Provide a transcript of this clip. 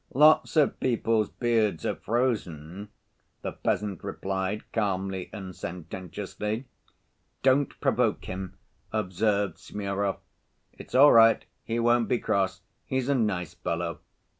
"Lots of people's beards are frozen," the peasant replied, calmly and sententiously. "Don't provoke him," observed Smurov. "It's all right; he won't be cross; he's a nice fellow.